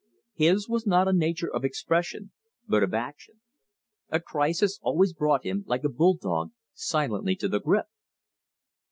His was not a nature of expression, but of action. A crisis always brought him, like a bull dog, silently to the grip.